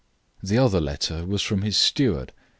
The other letter was from his steward.